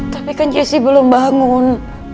tapi kan jessi belum bangun